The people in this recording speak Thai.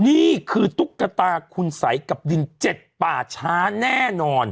นี่คือตุ๊กตาคุณสัยกับดิน๗ป่าช้าแน่นอน